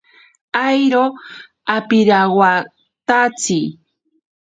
Airo apirawaitatsi.